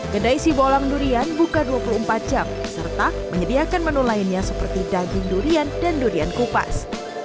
kedai sibolang durian buka dua puluh empat jam serta menyediakan menu lainnya seperti daging durian dan durian kupas